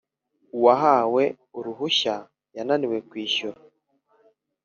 Uwahawe uruhushya yananiwe kwishyura